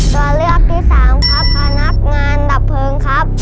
ตัวเลือกที่สามครับพนักงานดับเพลิงครับ